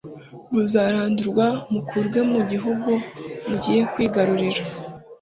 muzarandurwa mukurwe mu gihugu mugiye kwigarurira.